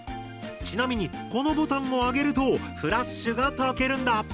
ちなみにこのボタンを上げるとフラッシュがたけるんだ。